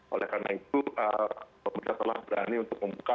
oleh karena itu pemerintah telah berani untuk membuka